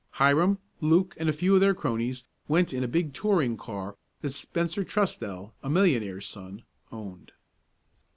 Hiram, Luke and a few of their cronies went in a big touring car that Spencer Trusdell, a millionaire's son, owned.